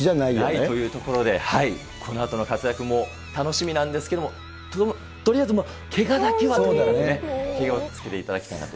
ないというところで、このあとの活躍も楽しみなんですけど、とりあえず、けがだけはとにかく気をつけていただきたいなと。